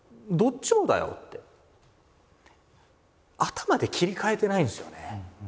頭で切り替えてないんですよね。